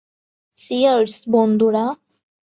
Cheers, বন্ধুরা।